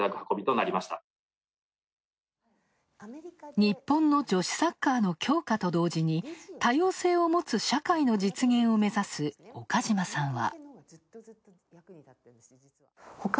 日本の女子サッカーの強化と同時に多様性を持つ社会の実現を持つ、岡島さんは。